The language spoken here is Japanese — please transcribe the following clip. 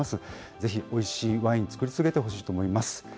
ぜひおいしいワイン、造り続けてほしいと思います。